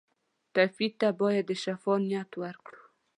ټپي ته باید د شفا نیت وکړو.